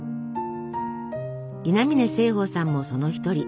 稲嶺盛保さんもその一人。